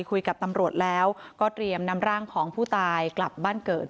คุยกับตำรวจแล้วก็เตรียมนำร่างของผู้ตายกลับบ้านเกิด